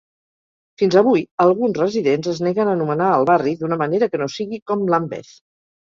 Fins avui, alguns residents es neguen a anomenar al barri d'una manera que no sigui com Lambeth.